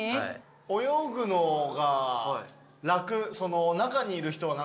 泳ぐのが楽。